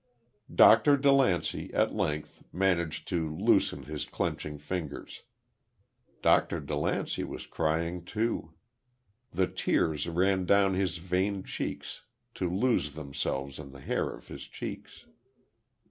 Dr. DeLancey, at length, managed to loosen his clenching fingers. Dr. DeLancey was crying, too; the tears ran down his veined cheeks to lose themselves in the hair of his cheeks.